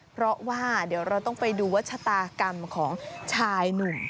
เพราะว่าเดี๋ยวเราต้องไปดูวัชตากรรมของชายหนุ่ม